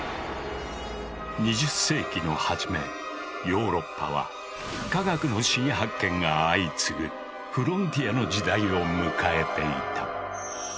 ヨーロッパは科学の新発見が相次ぐフロンティアの時代を迎えていた。